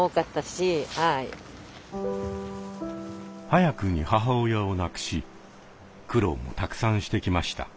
早くに母親を亡くし苦労もたくさんしてきました。